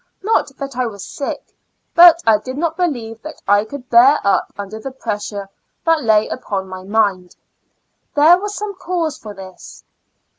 Not that I was sick, but I did not believe that I could bear up under the pressure that lay upon my mind. There was some cause for this.